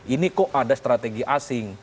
ini kok ada strategi asing